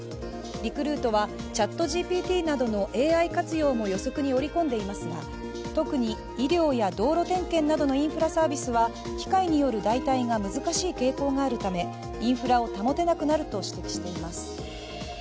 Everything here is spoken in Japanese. リクルートはＣｈａｔＧＰＴなどのＡＩ活用も予測に織り込んでいますが、特に医療や道路点検などのインフラサービスは機械による代替が難しい傾向があるためインフラを保てなくなると指摘しています。